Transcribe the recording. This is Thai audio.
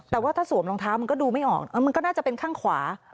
แต่ว่าถ้าสวมรองเท้ามันก็ดูไม่ออกมันก็น่าจะเป็นข้างขวา